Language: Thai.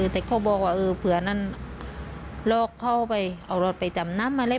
แต่ข้าวบอกว่าเผื่อนั่นนั่นโรคเข้าไปเอารถไปจำนำแล้ว